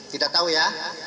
tidak tahu ya